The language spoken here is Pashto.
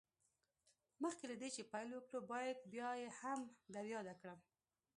مخکې له دې چې پيل وکړو بايد بيا يې هم در ياده کړم.